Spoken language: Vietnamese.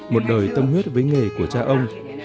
một đời tâm huyết với nghề của cha ông